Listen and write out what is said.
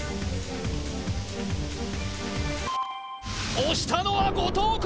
押したのは後藤弘